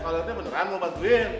kalau itu beneran mau badmin